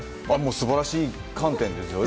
素晴らしい観点ですよね。